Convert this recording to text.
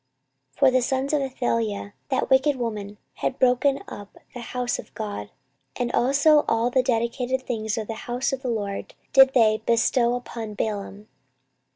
14:024:007 For the sons of Athaliah, that wicked woman, had broken up the house of God; and also all the dedicated things of the house of the LORD did they bestow upon Baalim.